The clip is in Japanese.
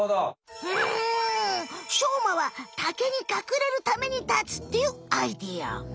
しょうまはタケにかくれるために立つっていうアイデア。